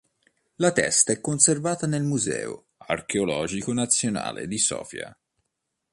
La testa è conservata nel Museo archeologico nazionale di Sofia.